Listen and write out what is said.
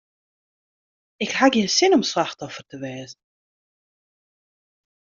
Ik haw gjin sin om slachtoffer te wêze.